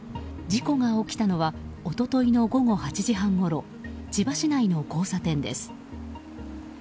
事故が起きたのは一昨日の午後８時半ごろ千葉市内の交差点です。